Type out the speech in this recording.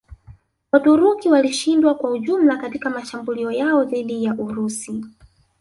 Waturuki walishindwa kwa ujumla katika mashambulio yao dhidi ya Urusi